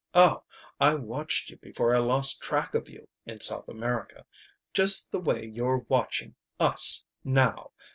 Oh, I watched you before I lost track of you in South America just the way you're watching us now!